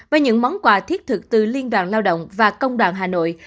và những món quà thiết thực từ liên đoàn lao động và công đoàn hà nội